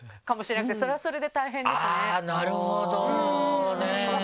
あぁなるほどね！